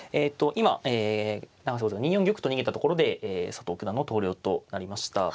今永瀬王座が２四玉と逃げたところで佐藤九段の投了となりました。